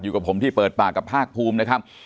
กับผมที่เปิดปากกับภาคภูมินะครับ